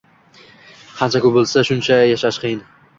Qancha ko’p bilsa, yashashi shuncha qiyin bo’ladi.